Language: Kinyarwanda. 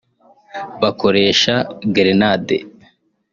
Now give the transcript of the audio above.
bakoresha gerenade